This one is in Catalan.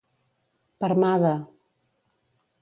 Per mà de.